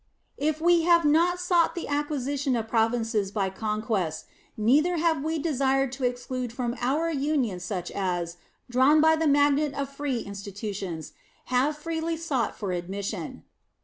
If we have not sought the acquisition of provinces by conquest, neither have we desired to exclude from our Union such as, drawn by the magnet of free institutions, have peacefully sought for admission.